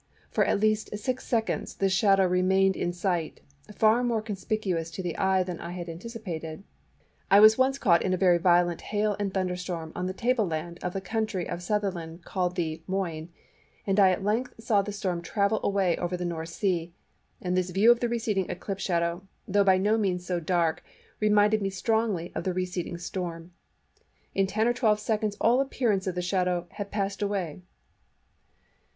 For at least six seconds, this shadow remained in sight, far more conspicuous to the eye than I had anticipated. I was once caught in a very violent hail and thunder storm on the Table land of the County of Sutherland called the "Moin," and I at length saw the storm travel away over the North Sea; and this view of the receding Eclipse shadow, though by no means so dark, reminded me strongly of the receding storm. In ten or twelve seconds all appearance of the shadow had passed away."